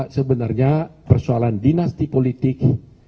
sebenarnya persoalan dinasti politik